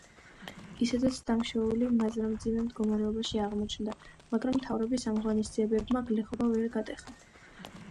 ისედაც დამშეული მაზრა მძიმე მდგომარეობაში აღმოჩნდა, მაგრამ მთავრობის ამ ღონისძიებებმა გლეხობა ვერ გატეხა.